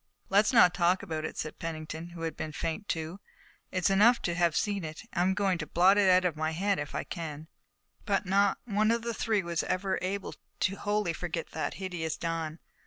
"Let's not talk about it," said Pennington, who had been faint too. "It's enough to have seen it. I am going to blot it out of my mind if I can." But not one of the three was ever able wholly to forget that hideous dawn.